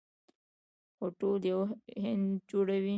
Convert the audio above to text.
خو ټول یو هند جوړوي.